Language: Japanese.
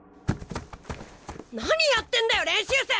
何やってんだよ練習生！